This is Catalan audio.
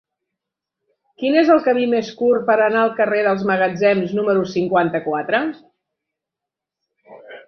Quin és el camí més curt per anar al carrer dels Magatzems número cinquanta-quatre?